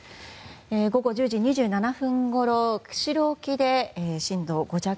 午後１０時２７分ごろ釧路沖で震度５弱。